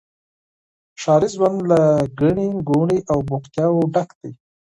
ښاري ژوند له ګڼي ګوڼي او بوختياوو ډک دی.